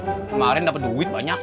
kemarin dapat duit banyak